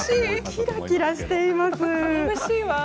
キラキラしています。